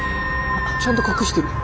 ちゃんと隠してる。